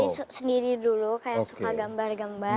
ini sendiri dulu kayak suka gambar gambar